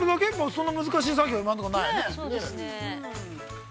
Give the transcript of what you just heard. そんな難しい作業は、今のところない。